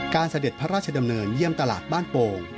เสด็จพระราชดำเนินเยี่ยมตลาดบ้านโป่ง